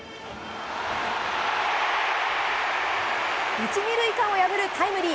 １・２塁間を破るタイムリー。